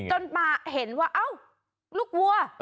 จนมาเห็นว่าเอ้าลูกวัว